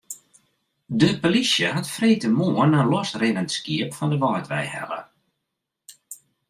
De polysje hat freedtemoarn in losrinnend skiep fan de Wâldwei helle.